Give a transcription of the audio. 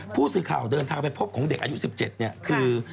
ผู้สื่อข่าวเดินทางไปพบของเด็กอายุ๑๗เนี่ยคือ